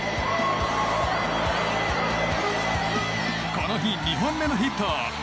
この日２本目のヒット。